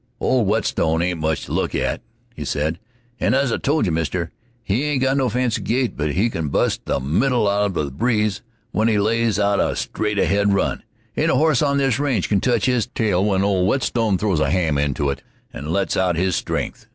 "Old Whetstone ain't much to look at," he said, "and as I told you, Mister, he ain't got no fancy gait; but he can bust the middle out of the breeze when he lays out a straight ahead run. Ain't a horse on this range can touch his tail when old Whetstone throws a ham into it and lets out his stren'th."